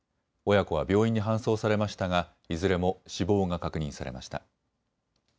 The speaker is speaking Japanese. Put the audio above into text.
親子は病院に搬送されましたがいずれも死亡が確認されました。